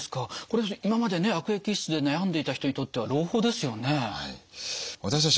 これ今までね悪液質で悩んでいた人にとっては朗報ですよね。